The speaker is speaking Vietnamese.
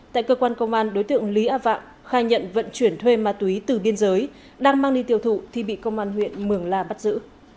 tại cơ quan công an đối tượng lý a vạng khai nhận vận chuyển thuê ma túy từ biên giới đang mang đi tiêu thụ thì bị công an huyện mường la bắt giữ